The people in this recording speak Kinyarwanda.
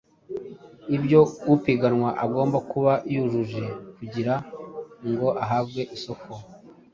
ibyo upiganwa agomba kuba yujuje kugira ngo ahabwe isoko,